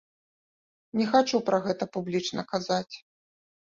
Не хачу пра гэта публічна казаць.